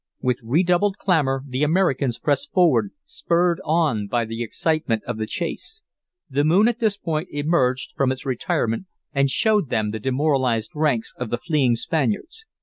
With redoubled clamor the Americans pressed forward, spurred on by the excitement of the chase. The moon at this point emerged from its retirement and showed them the demoralized ranks of the fleeing Spaniards.